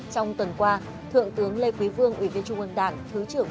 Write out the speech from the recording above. trong tuần qua thượng tướng lê quý vương ủy viên trung ương đảng